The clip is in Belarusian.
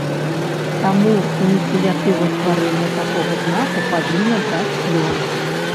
Таму ініцыятыва стварэння такога знаку павінна даць плён.